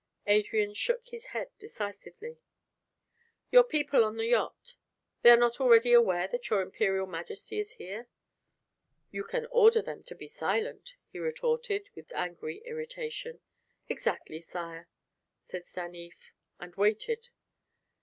Adrian shook his head decisively. "Your people on the yacht " "They are not already aware that your Imperial Majesty is here?" "You can order them to be silent," he retorted, with angry irritation. "Exactly, sire," said Stanief, and waited.